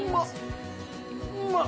うまっ！